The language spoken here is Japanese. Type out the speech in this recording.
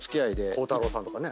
鋼太郎さんとかね。